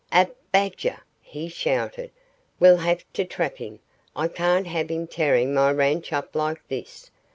"A badger!" he shouted. "We'll have to trap him. I can't have him tearing my ranch up like this.